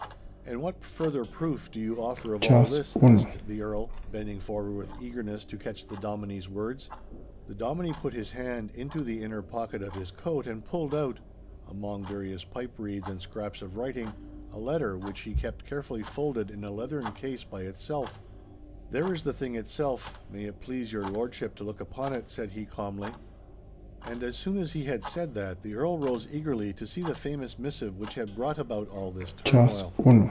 'And what further proof do you offer of all this?' asked the Earl, bending forward with eagerness to catch the Dominie's words. The Dominie put his hand into the inner pocket of his coat and pulled out, among various pipe reeds and scraps of writing, a letter which he kept carefully folded in a leathern case by itself. 'There is the thing itself; may it please your lordship to look upon it,' said he, calmly. And as soon as he had said that, the Earl rose eagerly to see the famous missive which had drought about all this turmoil.